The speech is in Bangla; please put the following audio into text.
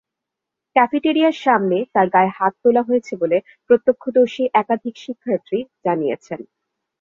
ক্যাফেটেরিয়ার সামনে তাঁর গায়ে হাত তোলা হয়েছে বলে প্রত্যক্ষদর্শী একাধিক শিক্ষার্থী জানিয়েছেন।